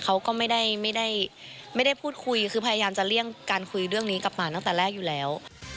เขาก็ไม่ได้ไม่ได้พูดคุยคือพยายามจะเลี่ยงการคุยเรื่องนี้กลับมาตั้งแต่แรกอยู่แล้ว